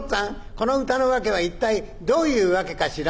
この歌の訳は一体どういう訳かしら？』